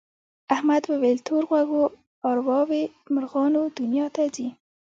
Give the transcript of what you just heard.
احمد وویل تور غوږو ارواوې مرغانو دنیا ته ځي.